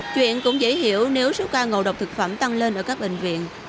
chuyện cũng dễ hiểu nếu số ca ngộ độc thực phẩm tăng lên ở các bệnh viện